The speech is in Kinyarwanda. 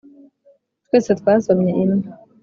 twese twasomye imwe